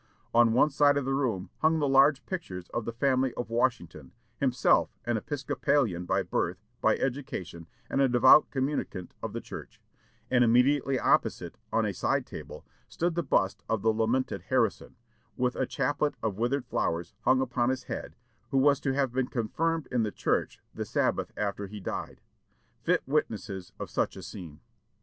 On one side of the room hung the large picture of the family of Washington, himself an Episcopalian by birth, by education, and a devout communicant of the church; and immediately opposite, on a side table, stood the bust of the lamented Harrison, with a chaplet of withered flowers hung upon his head, who was to have been confirmed in the church the Sabbath after he died, fit witnesses of such a scene.